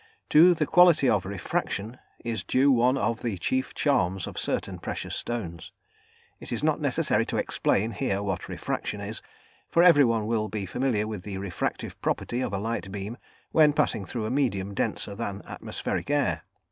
To the quality of refraction is due one of the chief charms of certain precious stones. It is not necessary to explain here what refraction is, for everyone will be familiar with the refractive property of a light beam when passing through a medium denser than atmospheric air.